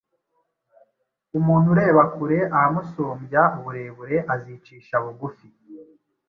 Umuntu ureba kure ahamusumbya uburebure azicisha bugufi